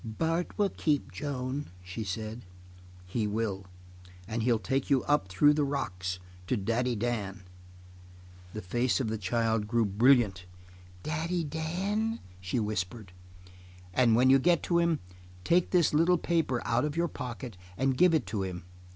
"Bart will keep Joan," she said. "He will. And he'll take you up through the rocks to Daddy Dan." The face of the child grew brilliant. "Daddy Dan?" she whispered. "And when you get to him, take this little paper out of your pocket and give it to him.